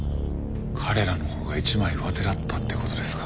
彼らのほうが一枚上手だったって事ですか。